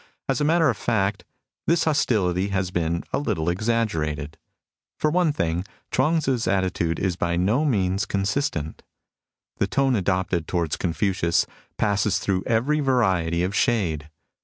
As a matter of fact, this hostility has been a little exaggerated. For one thing, Chuang Tzii's attitude is by no means consistent ; the tone adopted towards Confucius passes through every variety of shade.